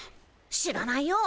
知らないよ。